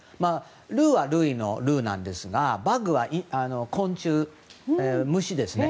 ルーはルイのルーなんですがバグは昆虫、虫ですね。